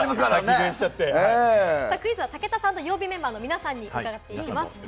クイズは武田さんと曜日メンバーの皆さんに伺います。